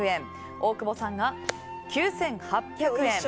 大久保さんが９８００円。